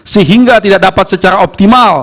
sehingga tidak dapat secara ekonomi dan ekonomi